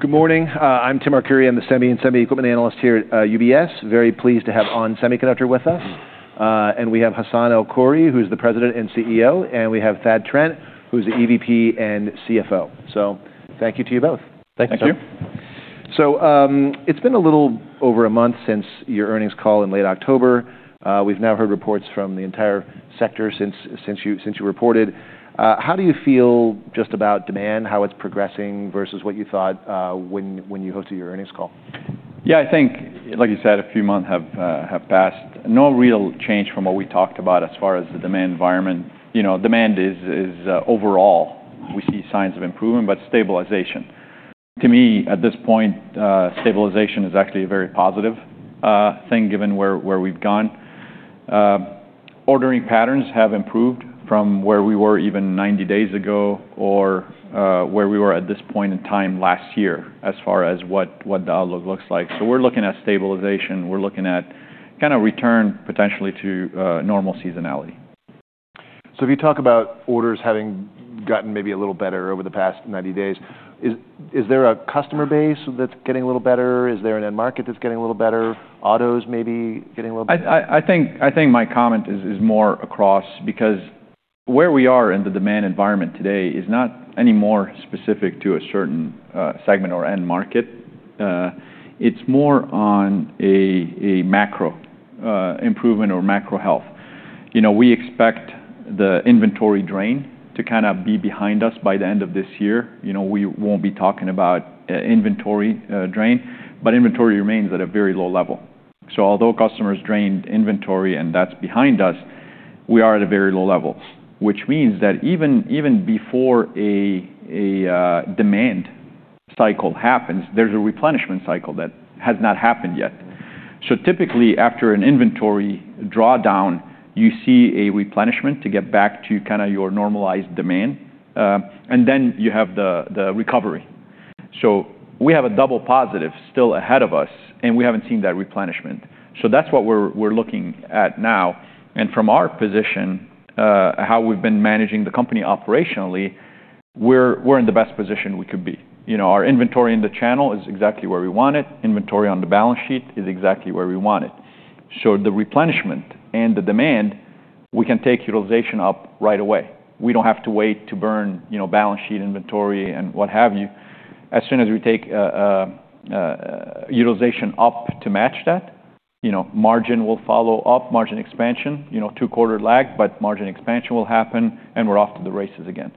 Good morning. I'm Tim Arcuri. I'm the semi and semi-equipment analyst here at UBS. Very pleased to have ON Semiconductor with us. Mm-hmm. and we have Hassane El-Khoury, who's the President and CEO, and we have Thad Trent, who's the EVP and CFO. Thank you to you both. Thank you. Thank you. It's been a little over a month since your earnings call in late October. We've now heard reports from the entire sector since you reported. How do you feel just about demand, how it's progressing versus what you thought when you hosted your earnings call? Yeah, I think, like you said, a few months have passed. No real change from what we talked about as far as the demand environment. You know, demand is overall. We see signs of improvement, but stabilization. To me, at this point, stabilization is actually a very positive thing given where we've gone. Ordering patterns have improved from where we were even 90 days ago or where we were at this point in time last year as far as what the outlook looks like. We are looking at stabilization. We are looking at kinda return potentially to normal seasonality. If you talk about orders having gotten maybe a little better over the past 90 days, is there a customer base that's getting a little better? Is there an end market that's getting a little better? Autos maybe getting a little better? I think my comment is more across because where we are in the demand environment today is not any more specific to a certain segment or end market. It is more on a macro improvement or macro health. You know, we expect the inventory drain to kinda be behind us by the end of this year. You know, we will not be talking about inventory drain, but inventory remains at a very low level. Although customers drained inventory and that is behind us, we are at a very low level, which means that even before a demand cycle happens, there is a replenishment cycle that has not happened yet. Typically, after an inventory drawdown, you see a replenishment to get back to kinda your normalized demand, and then you have the recovery. We have a double positive still ahead of us, and we have not seen that replenishment. That is what we are looking at now. From our position, how we have been managing the company operationally, we are in the best position we could be. You know, our inventory in the channel is exactly where we want it. Inventory on the balance sheet is exactly where we want it. The replenishment and the demand, we can take utilization up right away. We do not have to wait to burn, you know, balance sheet inventory and what have you. As soon as we take utilization up to match that, you know, margin will follow up, margin expansion, you know, two-quarter lag, but margin expansion will happen, and we are off to the races again.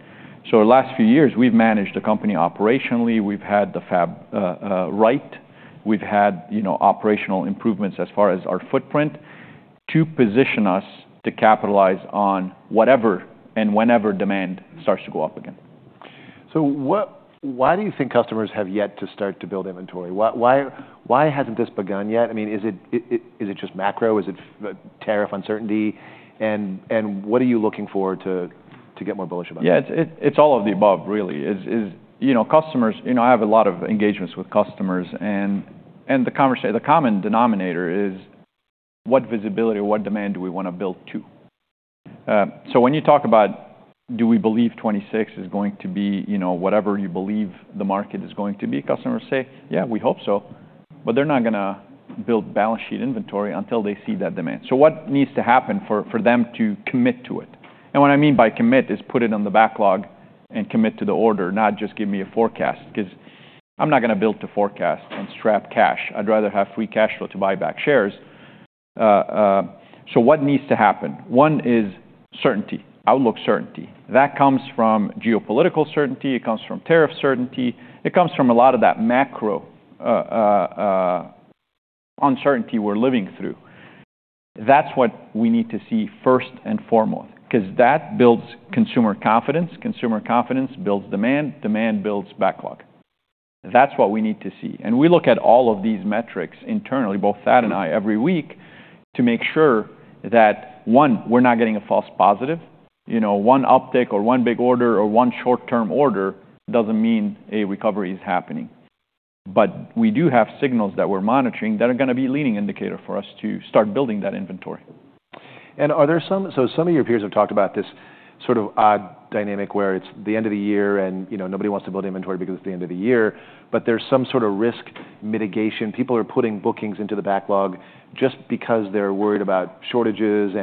The last few years, we have managed the company operationally. We have had the Fab Right. We've had, you know, operational improvements as far as our footprint to position us to capitalize on whatever and whenever demand starts to go up again. What, why do you think customers have yet to start to build inventory? Why, why hasn't this begun yet? I mean, is it, is it just macro? Is it, tariff uncertainty? And what are you looking for to get more bullish about it? Yeah, it's, it's all of the above, really. You know, customers, you know, I have a lot of engagements with customers, and the common denominator is what visibility or what demand do we wanna build to? When you talk about, do we believe 2026 is going to be, you know, whatever you believe the market is going to be, customers say, "Yeah, we hope so," but they're not gonna build balance sheet inventory until they see that demand. What needs to happen for them to commit to it? And what I mean by commit is put it on the backlog and commit to the order, not just give me a forecast 'cause I'm not gonna build to forecast and strap cash. I'd rather have free cash flow to buy back shares. What needs to happen? One is certainty, outlook certainty. That comes from geopolitical certainty. It comes from tariff certainty. It comes from a lot of that macro, uncertainty we're living through. That's what we need to see first and foremost 'cause that builds consumer confidence. Consumer confidence builds demand. Demand builds backlog. That's what we need to see. We look at all of these metrics internally, both Thad and I, every week to make sure that, one, we're not getting a false positive. You know, one uptick or one big order or one short-term order doesn't mean a recovery is happening. We do have signals that we're monitoring that are gonna be a leading indicator for us to start building that inventory. Are there some, so some of your peers have talked about this sort of odd dynamic where it's the end of the year and, you know, nobody wants to build inventory because it's the end of the year, but there's some sort of risk mitigation. People are putting bookings into the backlog just because they're worried about shortages.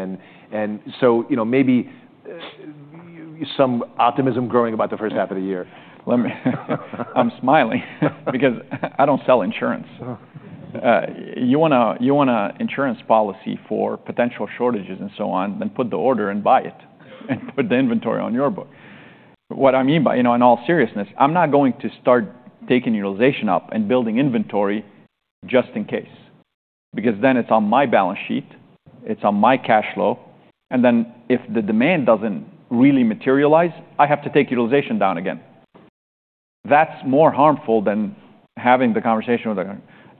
And, you know, maybe some optimism growing about the first half of the year. Let me, I'm smiling because I don't sell insurance. You want an insurance policy for potential shortages and so on, then put the order in and buy it and put the inventory on your book. What I mean by, you know, in all seriousness, I'm not going to start taking utilization up and building inventory just in case because then it's on my balance sheet. It's on my cash flow. And then if the demand doesn't really materialize, I have to take utilization down again. That's more harmful than having the conversation with,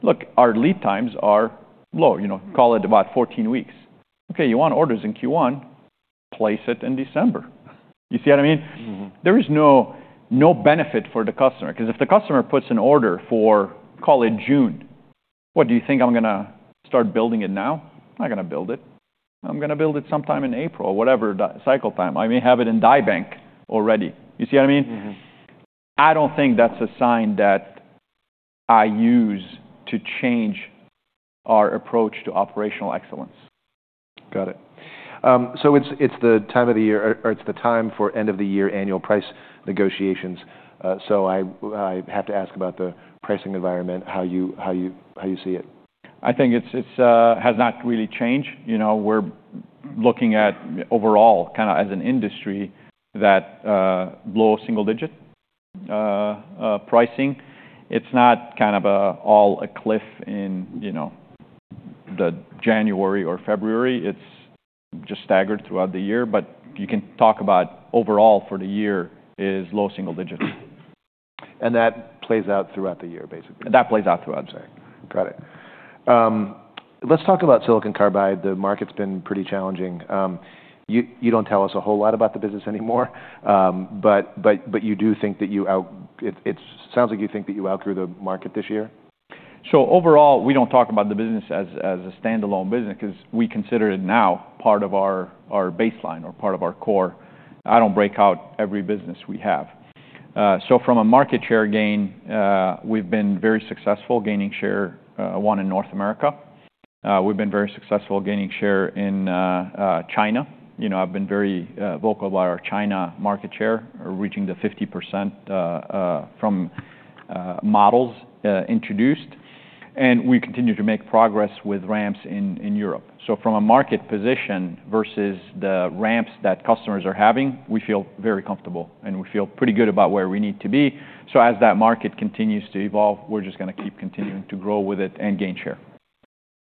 "Look, our lead times are low." You know, call it about 14 weeks. Okay, you want orders in Q1, place it in December. You see what I mean? Mm-hmm. There is no, no benefit for the customer 'cause if the customer puts an order for, call it June, what do you think? I'm gonna start building it now? I'm not gonna build it. I'm gonna build it sometime in April, whatever the cycle time. I may have it in Die Bank already. You see what I mean? Mm-hmm. I don't think that's a sign that I use to change our approach to operational excellence. Got it. It's the time of the year, or it's the time for end-of-the-year annual price negotiations. I have to ask about the pricing environment, how you see it? I think it's, it's, has not really changed. You know, we're looking at overall kinda as an industry that, low single-digit, pricing. It's not kind of, all a cliff in, you know, the January or February. It's just staggered throughout the year, but you can talk about overall for the year is low single digits. That plays out throughout the year, basically. That plays out throughout the year. Got it. Let's talk about silicon carbide. The market's been pretty challenging. You don't tell us a whole lot about the business anymore, but you do think that you outgrew the market this year? Overall, we don't talk about the business as a standalone business 'cause we consider it now part of our baseline or part of our core. I don't break out every business we have. From a market share gain, we've been very successful gaining share, one in North America. We've been very successful gaining share in China. You know, I've been very vocal about our China market share, reaching the 50% from models introduced. We continue to make progress with ramps in Europe. From a market position versus the ramps that customers are having, we feel very comfortable, and we feel pretty good about where we need to be. As that market continues to evolve, we're just gonna keep continuing to grow with it and gain share.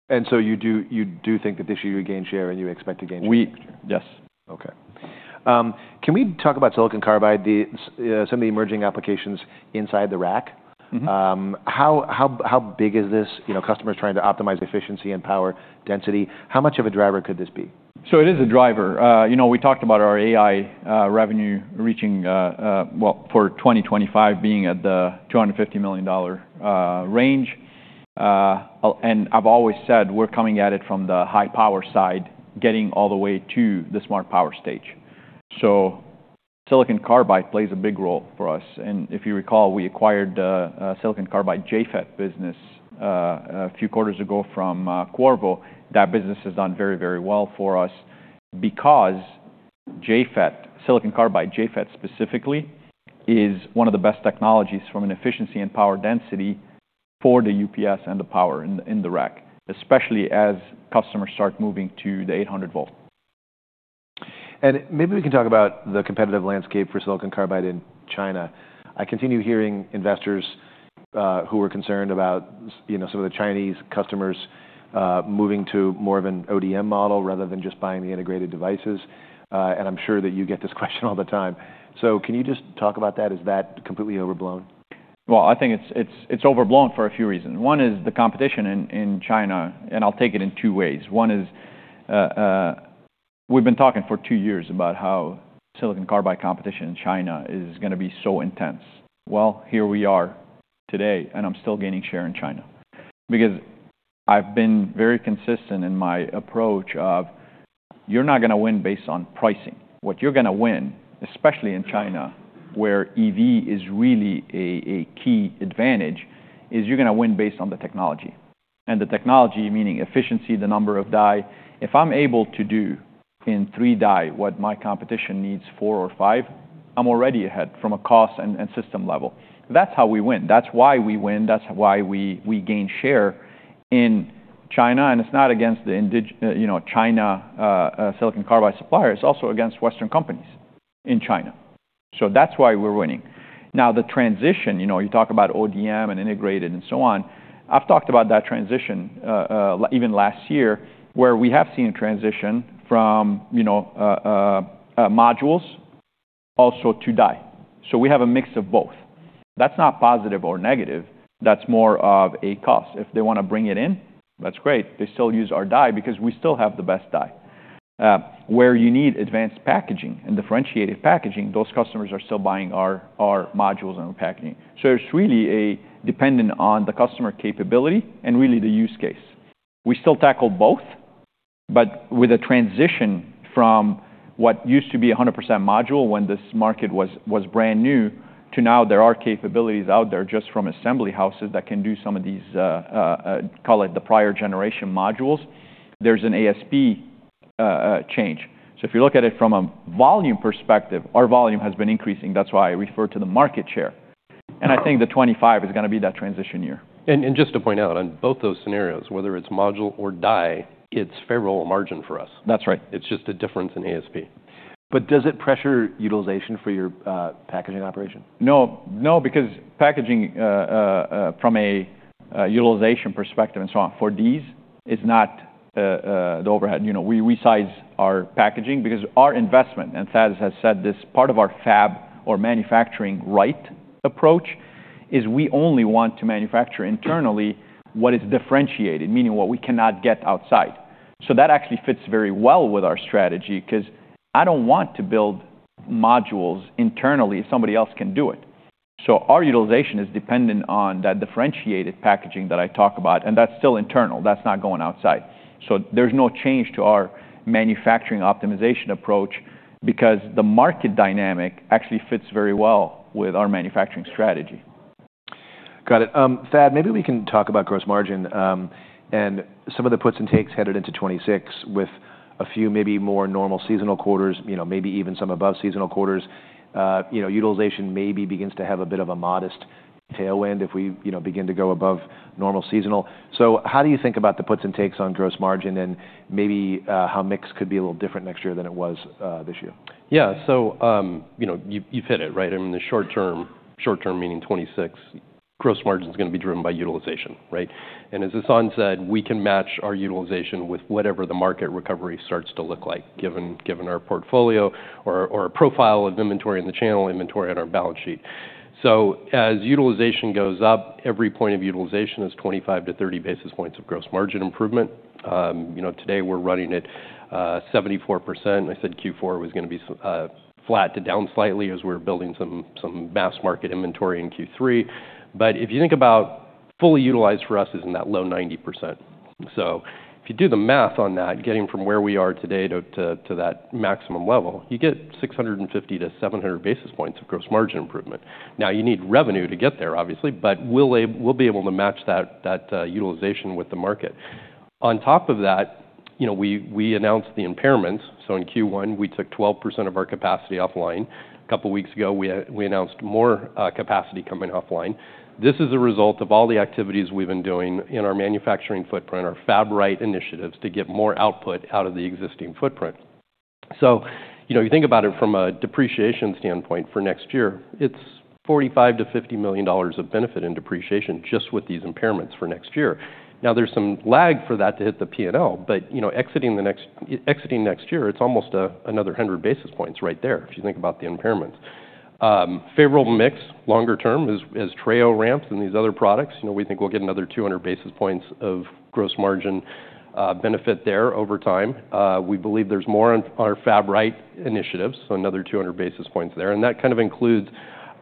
Do you do think that this year you gained share and you expect to gain share next year? We yes. Okay. Can we talk about silicon carbide, the, some of the emerging applications inside the rack? Mm-hmm. How big is this? You know, customers trying to optimize efficiency and power density. How much of a driver could this be? It is a driver. You know, we talked about our AI revenue reaching, for 2025, being at the $250 million range. I've always said we're coming at it from the high-power side, getting all the way to the smart power stage. Silicon carbide plays a big role for us. If you recall, we acquired the silicon carbide JFET business a few quarters ago from Qorvo. That business has done very, very well for us because JFET, silicon carbide JFET specifically, is one of the best technologies from an efficiency and power density for the UPS and the power in the rack, especially as customers start moving to the 800 volt. Maybe we can talk about the competitive landscape for silicon carbide in China. I continue hearing investors, who are concerned about, you know, some of the Chinese customers, moving to more of an ODM model rather than just buying the integrated devices. I'm sure that you get this question all the time. Can you just talk about that? Is that completely overblown? I think it's overblown for a few reasons. One is the competition in China, and I'll take it in two ways. One is, we've been talking for two years about how silicon carbide competition in China is gonna be so intense. Here we are today, and I'm still gaining share in China because I've been very consistent in my approach of you're not gonna win based on pricing. What you're gonna win, especially in China where EV is really a key advantage, is you're gonna win based on the technology. The technology, meaning efficiency, the number of die. If I'm able to do in three die what my competition needs four or five, I'm already ahead from a cost and system level. That's how we win. That's why we win. That's why we gain share in China. It's not against the indig, you know, China, silicon carbide supplier. It's also against Western companies in China. That's why we're winning. Now, the transition, you know, you talk about ODM and integrated and so on. I've talked about that transition, even last year where we have seen a transition from, you know, modules also to die. We have a mix of both. That's not positive or negative. That's more of a cost. If they want to bring it in, that's great. They still use our die because we still have the best die. Where you need advanced packaging and differentiated packaging, those customers are still buying our modules and our packaging. It's really dependent on the customer capability and really the use case. We still tackle both, but with a transition from what used to be 100% module when this market was brand new to now there are capabilities out there just from assembly houses that can do some of these, call it the prior generation modules. There's an ASP change. If you look at it from a volume perspective, our volume has been increasing. That's why I refer to the market share. I think 2025 is gonna be that transition year. Just to point out, on both those scenarios, whether it's module or die, it's favorable margin for us. That's right. It's just a difference in ASP. Does it pressure utilization for your packaging operation? No, no, because packaging, from a utilization perspective and so on for these is not the overhead. You know, we size our packaging because our investment, and Thad has said this, part of our fab or manufacturing right approach is we only want to manufacture internally what is differentiated, meaning what we cannot get outside. That actually fits very well with our strategy 'cause I do not want to build modules internally if somebody else can do it. Our utilization is dependent on that differentiated packaging that I talk about, and that is still internal. That is not going outside. There is no change to our manufacturing optimization approach because the market dynamic actually fits very well with our manufacturing strategy. Got it. Thad, maybe we can talk about gross margin, and some of the puts and takes headed into 2026 with a few maybe more normal seasonal quarters, you know, maybe even some above seasonal quarters. You know, utilization maybe begins to have a bit of a modest tailwind if we, you know, begin to go above normal seasonal. How do you think about the puts and takes on gross margin and maybe, how mix could be a little different next year than it was, this year? Yeah. So, you know, you fit it, right? I mean, the short term, short term meaning 2026, gross margin's gonna be driven by utilization, right? And as Hassane said, we can match our utilization with whatever the market recovery starts to look like given, given our portfolio or, or a profile of inventory in the channel inventory on our balance sheet. So as utilization goes up, every point of utilization is 25 to 30 basis points of gross margin improvement. You know, today we're running at 74%. I said Q4 was gonna be flat to down slightly as we're building some, some mass market inventory in Q3. But if you think about fully utilized for us, is in that low 90%. If you do the math on that, getting from where we are today to that maximum level, you get 650-700 basis points of gross margin improvement. Now, you need revenue to get there, obviously, but we'll be able to match that utilization with the market. On top of that, you know, we announced the impairments. In Q1, we took 12% of our capacity offline. A couple weeks ago, we announced more capacity coming offline. This is a result of all the activities we've been doing in our manufacturing footprint, our Fab Right initiatives to get more output out of the existing footprint. You think about it from a depreciation standpoint for next year, it's $45 million-$50 million of benefit in depreciation just with these impairments for next year. Now, there's some lag for that to hit the P&L, but, you know, exiting next year, it's almost another 100 basis points right there if you think about the impairments. Favorable mix longer term is, is Treo Ramps and these other products. You know, we think we'll get another 200 basis points of gross margin benefit there over time. We believe there's more on our Fab Right initiatives, so another 200 basis points there. That kind of includes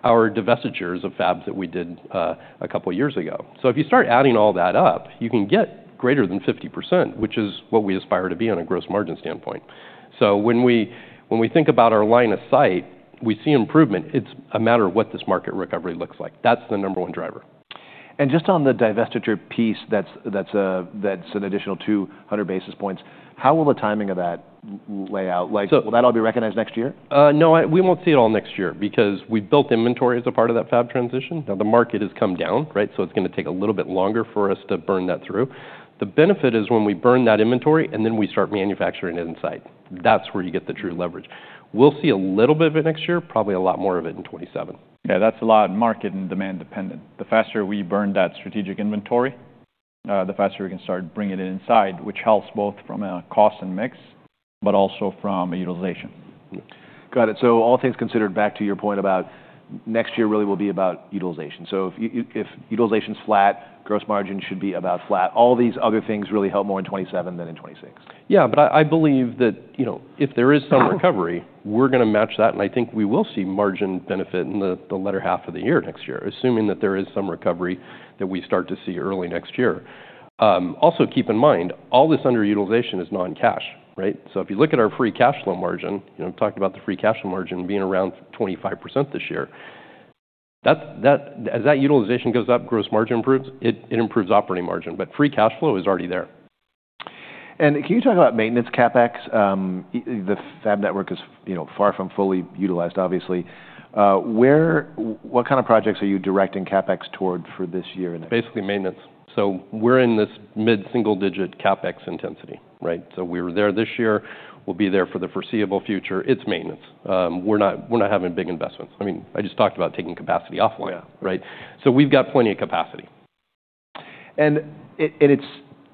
our divestitures of fabs that we did a couple years ago. If you start adding all that up, you can get greater than 50%, which is what we aspire to be on a gross margin standpoint. When we think about our line of sight, we see improvement. It's a matter of what this market recovery looks like. That's the number one driver. Just on the divestiture piece, that's an additional 200 basis points. How will the timing of that lay out? Like. So. Will that all be recognized next year? No, we won't see it all next year because we built inventory as a part of that fab transition. Now, the market has come down, right? It is going to take a little bit longer for us to burn that through. The benefit is when we burn that inventory and then we start manufacturing it inside. That is where you get the true leverage. We will see a little bit of it next year, probably a lot more of it in 2027. Yeah, that's a lot market and demand dependent. The faster we burn that strategic inventory, the faster we can start bringing it inside, which helps both from a cost and mix, but also from utilization. Got it. All things considered, back to your point about next year really will be about utilization. If utilization's flat, gross margin should be about flat. All these other things really help more in 2027 than in 2026. Yeah, but I believe that, you know, if there is some recovery, we're gonna match that, and I think we will see margin benefit in the latter half of the year next year, assuming that there is some recovery that we start to see early next year. Also keep in mind all this underutilization is non-cash, right? So if you look at our free cash flow margin, you know, talked about the free cash flow margin being around 25% this year. That's, as that utilization goes up, gross margin improves, it improves operating margin, but free cash flow is already there. Can you talk about maintenance CapEx? The fab network is, you know, far from fully utilized, obviously. Where, what kind of projects are you directing CapEx toward for this year? Basically maintenance. We're in this mid-single digit CapEx intensity, right? We were there this year. We'll be there for the foreseeable future. It's maintenance. We're not, we're not having big investments. I mean, I just talked about taking capacity offline. Yeah. Right? We've got plenty of capacity. It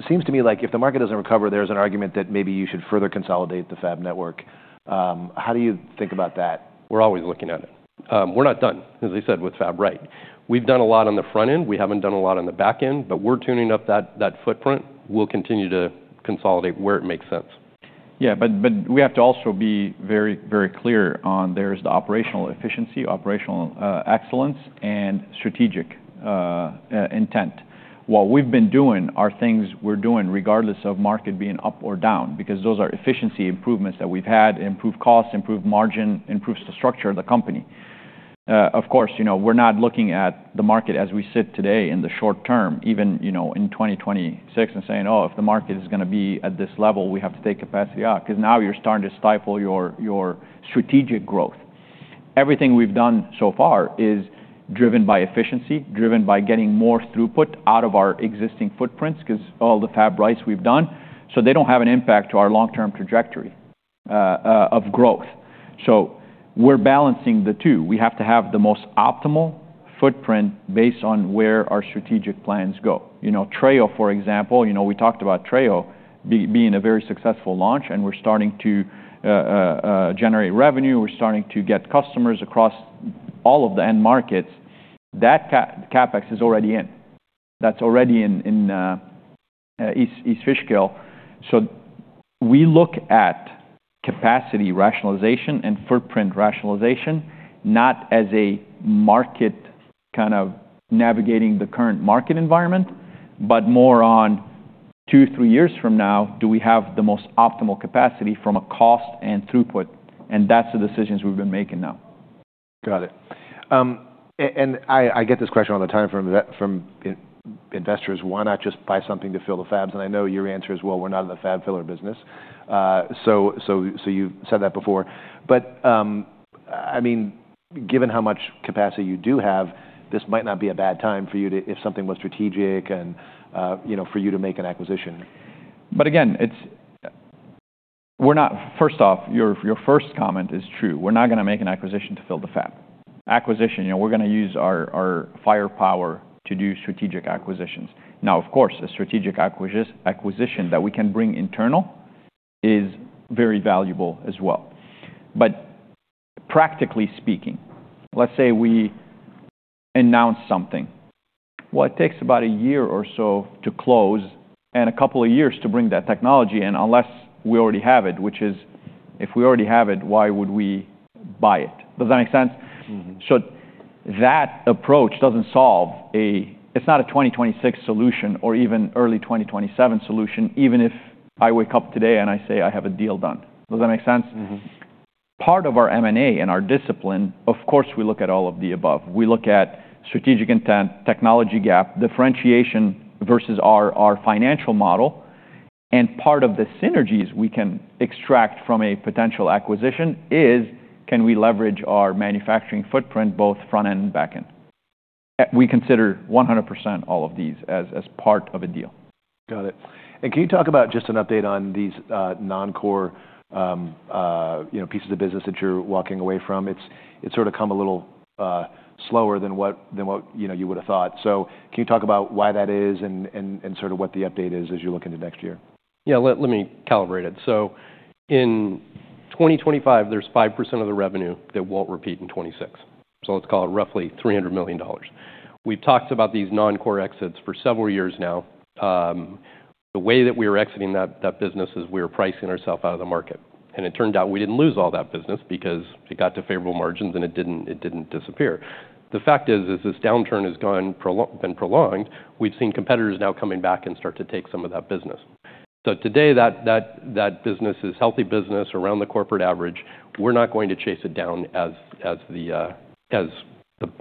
seems to me like if the market doesn't recover, there's an argument that maybe you should further consolidate the fab network. How do you think about that? We're always looking at it. We're not done, as I said, with Fab Right. We've done a lot on the front end. We haven't done a lot on the back end, but we're tuning up that footprint. We'll continue to consolidate where it makes sense. Yeah, but we have to also be very, very clear on there's the operational efficiency, operational excellence, and strategic intent. What we've been doing are things we're doing regardless of market being up or down because those are efficiency improvements that we've had, improve costs, improve margin, improves the structure of the company. Of course, you know, we're not looking at the market as we sit today in the short term, even, you know, in 2026 and saying, "Oh, if the market is gonna be at this level, we have to take capacity out," 'cause now you're starting to stifle your strategic growth. Everything we've done so far is driven by efficiency, driven by getting more throughput out of our existing footprints 'cause all the fab rights we've done. They do not have an impact to our long-term trajectory of growth. We're balancing the two. We have to have the most optimal footprint based on where our strategic plans go. You know, Treo, for example, you know, we talked about Treo being a very successful launch, and we're starting to generate revenue. We're starting to get customers across all of the end markets. That CapEx is already in. That's already in, in East Fishkill. We look at capacity rationalization and footprint rationalization, not as a market kind of navigating the current market environment, but more on two, three years from now, do we have the most optimal capacity from a cost and throughput? That's the decisions we've been making now. Got it. I get this question all the time from investors, "Why not just buy something to fill the fabs?" I know your answer is, "We're not in the fab filler business." You've said that before. I mean, given how much capacity you do have, this might not be a bad time for you to, if something was strategic and, you know, for you to make an acquisition. Again, your first comment is true. We're not gonna make an acquisition to fill the fab. Acquisition, you know, we're gonna use our firepower to do strategic acquisitions. Now, of course, a strategic acquisition that we can bring internal is very valuable as well. Practically speaking, let's say we announce something, it takes about a year or so to close and a couple of years to bring that technology in unless we already have it, which is if we already have it, why would we buy it? Does that make sense? Mm-hmm. That approach doesn't solve a it's not a 2026 solution or even early 2027 solution, even if I wake up today and I say I have a deal done. Does that make sense? Mm-hmm. Part of our M&A and our discipline, of course, we look at all of the above. We look at strategic intent, technology gap, differentiation versus our financial model. Part of the synergies we can extract from a potential acquisition is, can we leverage our manufacturing footprint both front end and back end? We consider 100% all of these as part of a deal. Got it. Can you talk about just an update on these non-core, you know, pieces of business that you're walking away from? It's sort of come a little slower than what, than what, you know, you would've thought. Can you talk about why that is and sort of what the update is as you look into next year? Yeah, let me calibrate it. In 2025, there's 5% of the revenue that won't repeat in 2026. Let's call it roughly $300 million. We've talked about these non-core exits for several years now. The way that we were exiting that business is we were pricing ourself out of the market. It turned out we didn't lose all that business because it got to favorable margins and it didn't disappear. The fact is, this downturn has been prolonged. We've seen competitors now coming back and start to take some of that business. Today, that business is healthy business around the corporate average. We're not going to chase it down as the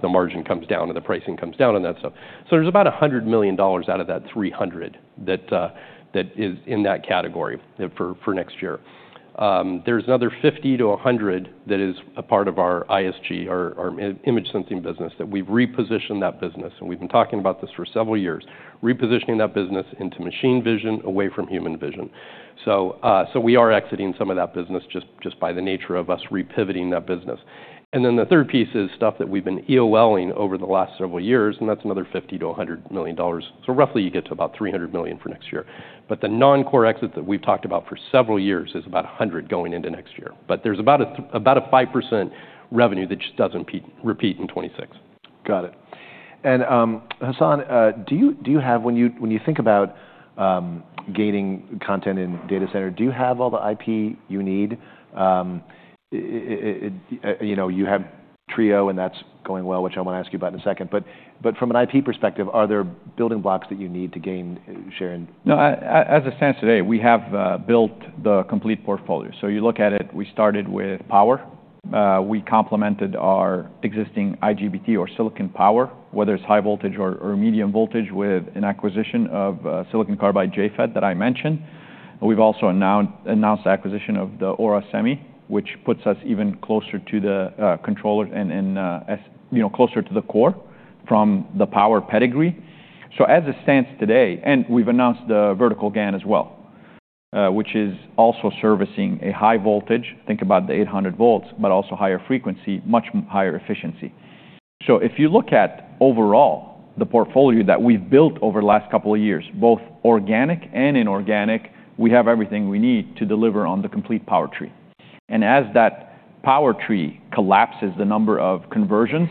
margin comes down and the pricing comes down on that stuff. There's about $100 million out of that 300 that is in that category for next year. There's another 50-100 that is a part of our ISG, our image sensing business that we've repositioned. We've been talking about this for several years, repositioning that business into machine vision away from human vision. We are exiting some of that business just by the nature of us repivoting that business. The third piece is stuff that we've been EOLing over the last several years, and that's another $50 million-$100 million. Roughly, you get to about $300 million for next year. The non-core exit that we've talked about for several years is about 100 going into next year. There's about a 5% revenue that just doesn't peak, repeat in 2026. Got it. Hassane, do you, do you have when you, when you think about, gaining content in data center, do you have all the IP you need? You know, you have Treo and that's going well, which I wanna ask you about in a second. From an IP perspective, are there building blocks that you need to gain, Sharon? No, I, as it stands today, we have built the complete portfolio. You look at it, we started with power. We complemented our existing IGBT or silicon power, whether it's high voltage or medium voltage, with an acquisition of silicon carbide JFET that I mentioned. We've also announced the acquisition of Aura Semiconductor, which puts us even closer to the controllers and, you know, closer to the core from the power pedigree. As it stands today, we've announced the vertical GaN as well, which is also servicing a high voltage, think about the 800 volt, but also higher frequency, much higher efficiency. If you look at overall the portfolio that we've built over the last couple of years, both organic and inorganic, we have everything we need to deliver on the complete power tree. As that power tree collapses, the number of conversions,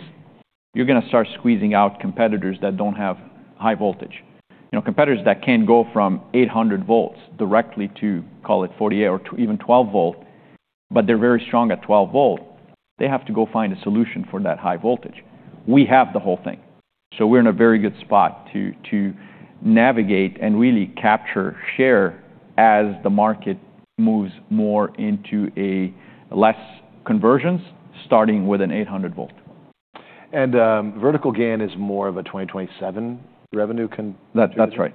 you're gonna start squeezing out competitors that don't have high voltage. You know, competitors that can go from 800 volts directly to, call it 48 or even 12 volt, but they're very strong at 12 volt, they have to go find a solution for that high voltage. We have the whole thing. We are in a very good spot to, to navigate and really capture, share as the market moves more into a less conversions starting with an 800 volt. Vertical GaN is more of a 2027 revenue con. That's right.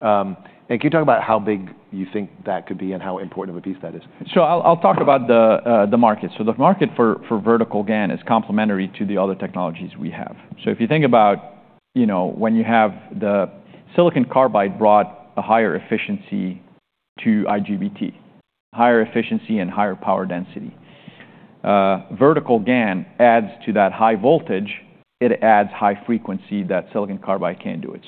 Can you talk about how big you think that could be and how important of a piece that is? I'll talk about the market. The market for vertical GaN is complementary to the other technologies we have. If you think about, you know, when you have the silicon carbide brought a higher efficiency to IGBT, higher efficiency and higher power density, vertical GaN adds to that high voltage, it adds high frequency that silicon carbide can do it.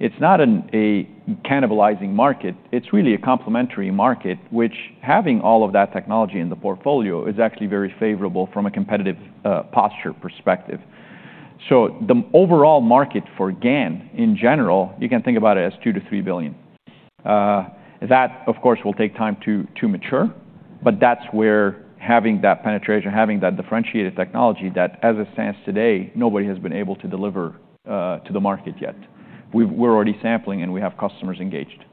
It's not a cannibalizing market. It's really a complementary market, which having all of that technology in the portfolio is actually very favorable from a competitive posture perspective. The overall market for GaN in general, you can think about it as $2 billion-$3 billion. That, of course, will take time to mature, but that's where having that penetration, having that differentiated technology that as it stands today, nobody has been able to deliver to the market yet. We've, we're already sampling and we have customers engaged.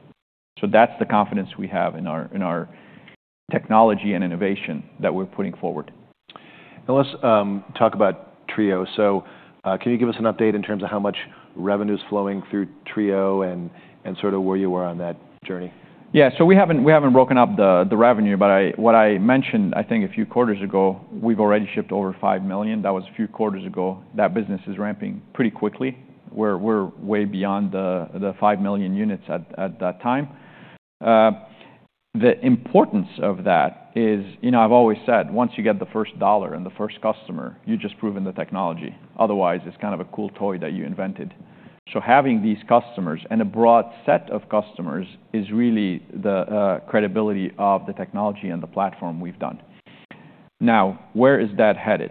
That's the confidence we have in our, in our technology and innovation that we're putting forward. Let's talk about Treo. Can you give us an update in terms of how much revenue is flowing through Treo and sort of where you are on that journey? Yeah, so we haven't, we haven't broken up the, the revenue, but I, what I mentioned, I think a few quarters ago, we've already shipped over 5 million. That was a few quarters ago. That business is ramping pretty quickly. We're, we're way beyond the, the 5 million units at, at that time. The importance of that is, you know, I've always said, once you get the first dollar and the first customer, you've just proven the technology. Otherwise, it's kind of a cool toy that you invented. So having these customers and a broad set of customers is really the, credibility of the technology and the platform we've done. Now, where is that headed?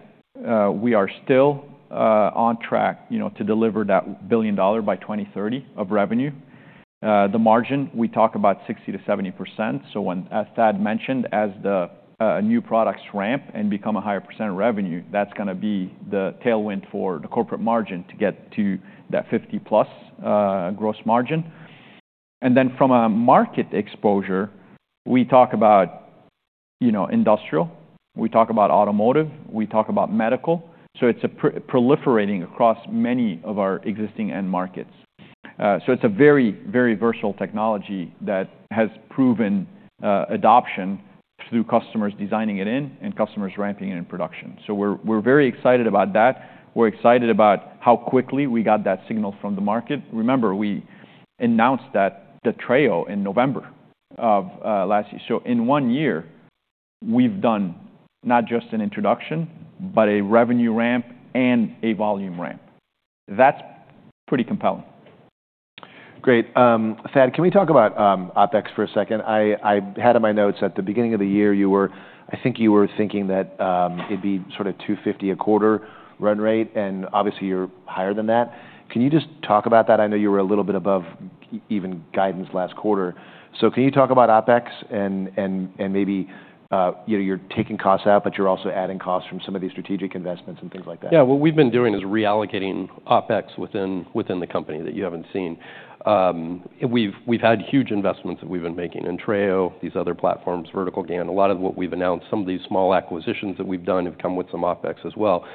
We are still, on track, you know, to deliver that billion dollar by 2030 of revenue. The margin, we talk about 60%-70%. When, as Thad mentioned, as the new products ramp and become a higher % revenue, that's gonna be the tailwind for the corporate margin to get to that 50%+ gross margin. From a market exposure, we talk about, you know, industrial. We talk about automotive. We talk about medical. It's proliferating across many of our existing end markets. It's a very, very versatile technology that has proven adoption through customers designing it in and customers ramping it in production. We're very excited about that. We're excited about how quickly we got that signal from the market. Remember, we announced the Treo Platform in November of last year. In one year, we've done not just an introduction, but a revenue ramp and a volume ramp. That's pretty compelling. Great. Thad, can we talk about OpEx for a second? I had in my notes at the beginning of the year, you were, I think you were thinking that it'd be sort of $250 million a quarter run rate, and obviously you're higher than that. Can you just talk about that? I know you were a little bit above even guidance last quarter. Can you talk about OpEx and maybe, you know, you're taking costs out, but you're also adding costs from some of these strategic investments and things like that? Yeah, what we've been doing is reallocating OpEx within, within the company that you haven't seen. We've had huge investments that we've been making in Treo, these other platforms, vertical GaN, a lot of what we've announced, some of these small acquisitions that we've done have come with some OpEx as well.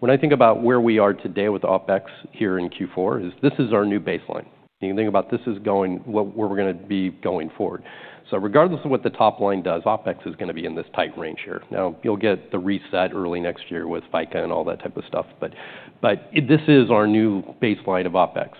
When I think about where we are today with OpEx here in Q4, this is our new baseline. You can think about this as going, what, where we're gonna be going forward. Regardless of what the top line does, OpEx is gonna be in this tight range here. Now, you'll get the reset early next year with FICA and all that type of stuff, but this is our new baseline of OpEx.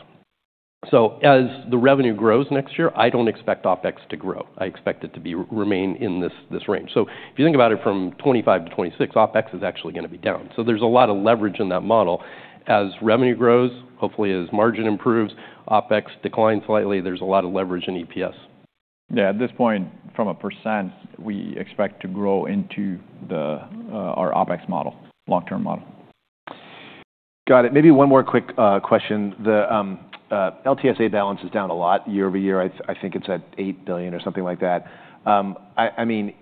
As the revenue grows next year, I don't expect OpEx to grow. I expect it to remain in this range. If you think about it from 2025 to 2026, OpEx is actually gonna be down. There is a lot of leverage in that model as revenue grows, hopefully as margin improves, OpEx declines slightly, there is a lot of leverage in EPS. Yeah, at this point, from a percent, we expect to grow into our OpEx model, long-term model. Got it. Maybe one more quick question. The LTSA balance is down a lot year over year. I think it's at $8 billion or something like that. I mean,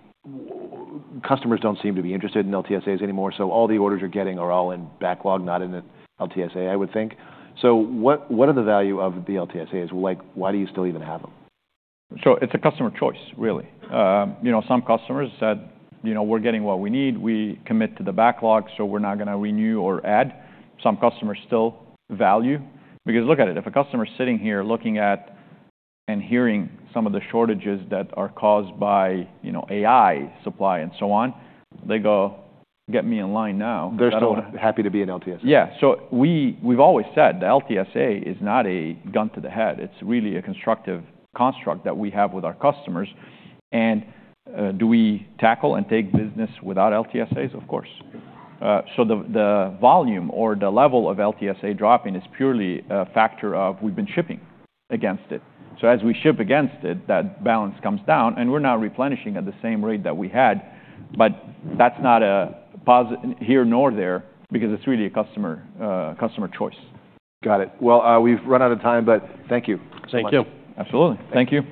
customers don't seem to be interested in LTSAs anymore, so all the orders you're getting are all in backlog, not in an LTSA, I would think. What are the value of the LTSAs? Like, why do you still even have them? It is a customer choice, really. You know, some customers said, you know, we're getting what we need. We commit to the backlog, so we're not gonna renew or add. Some customers still value because look at it, if a customer is sitting here looking at and hearing some of the shortages that are caused by, you know, AI supply and so on, they go, "Get me in line now. They're still happy to be in LTSA. Yeah. We have always said the LTSA is not a gun to the head. It is really a constructive construct that we have with our customers. Do we tackle and take business without LTSAs? Of course. The volume or the level of LTSA dropping is purely a factor of we have been shipping against it. As we ship against it, that balance comes down and we are now replenishing at the same rate that we had, but that is not a positive here nor there because it is really a customer, customer choice. Got it. We've run out of time, but thank you. Thank you. Absolutely. Thank you.